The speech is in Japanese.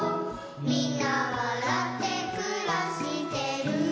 「みんなわらってくらしてる」